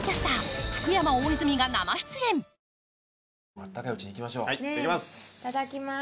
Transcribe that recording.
あったかいうちにいきましょういただきます